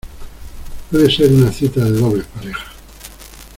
puede ser una cita de dobles parejas.